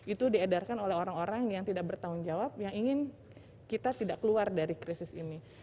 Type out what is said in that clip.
itu diedarkan oleh orang orang yang tidak bertanggung jawab yang ingin kita tidak keluar dari krisis ini